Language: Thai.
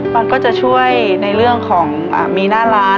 มันก็จะช่วยในเรื่องของมีหน้าร้าน